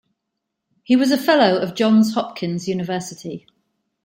He was a fellow of Johns Hopkins University.